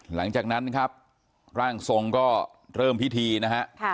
หลังจากนั้นครับร่างทรงก็เริ่มพิธีนะฮะ